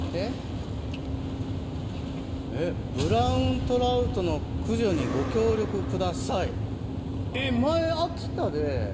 「ブラウントラウトの駆除に、ご協力ください！」。